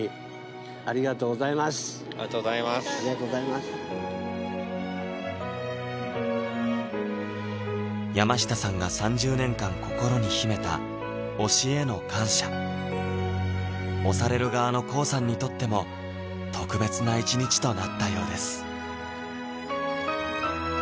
ホントにありがとうございます山下さんが３０年間心に秘めた推しへの感謝推される側のＫＯＯさんにとっても特別な一日となったようです